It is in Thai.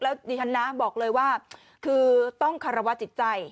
แล้วดิฉันนะบอกเลยว่าคือต้องคารวะจิตใจ